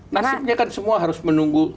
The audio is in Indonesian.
nasibnya kan semua harus menunggu